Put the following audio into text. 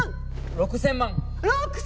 ６，０００万！